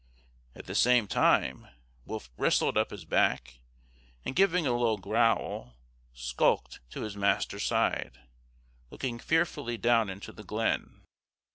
at the same time Wolf bristled up his back, and giving a low growl, skulked to his master's side, looking fearfully down into the glen.